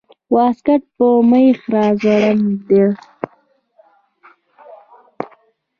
واسکټ په مېخ راځوړند ده